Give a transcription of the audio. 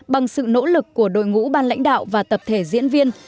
bằng sự nỗ lực của đội ngũ ban lãnh đạo và tập thể diễn viên